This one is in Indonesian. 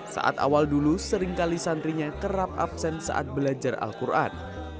saat awal dulu seringkali santrinya kerap absen saat belajar al quran